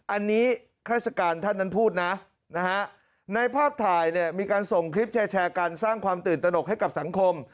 อันนี้ข้าราชการท่านนั้นพูดนะในภาพถ่ายเนี่ยมีการส่งคลิปแชร์กันสร้างความตื่นตนกให้กับสังคม